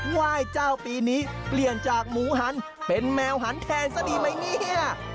ไหว้เจ้าปีนี้เปลี่ยนจากหมูหันเป็นแมวหันแคนซะดีไหมเนี่ย